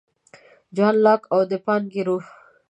جان لاک او د پانګې روح